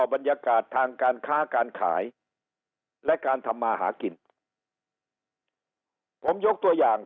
บรรยากาศทางการค้าการขายและการทำมาหากินผมยกตัวอย่าง